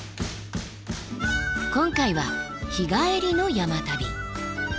今回は日帰りの山旅。